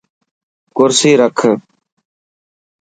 ڪرسي رک.